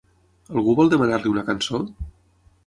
Algú vol demanar-li una cançó?